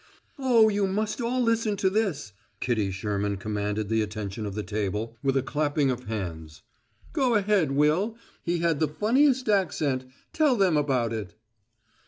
"Oh, you must all listen to this!" Kitty Sherman commanded the attention of the table, with a clapping of hands. "Go ahead, Will; he had the funniest accident tell them about it."